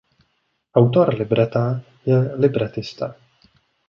Autor libreta je libretista.